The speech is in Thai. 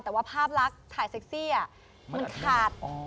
แต่ว่าภาพลักษณ์ถ่ายเซ็กซี่มันขาด